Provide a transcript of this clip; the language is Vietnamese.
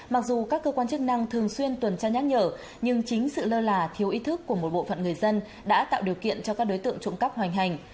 mặc dù các cơ quan chức năng thường xuyên tuần tra nhắc nhở nhưng chính sự lơ là thiếu ý thức của một bộ phận người dân đã tạo điều kiện cho các đối tượng trộm cắp hoành hành